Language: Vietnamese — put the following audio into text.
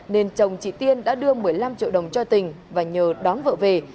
nên chồng chị tiên đã đưa một mươi năm triệu đồng cho tình và nhờ đón vợ về